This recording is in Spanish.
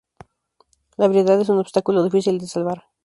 La ebriedad es un obstáculo difícil de salvar.